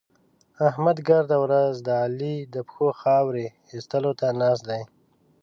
احمد ګرده ورځ د علي د پښو خاورې اېستو ته ناست دی.